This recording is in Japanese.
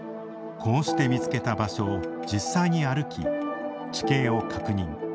こうして見つけた場所を実際に歩き地形を確認。